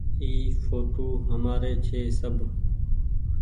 اي ڦوٽو همآري ڇي۔ سب ۔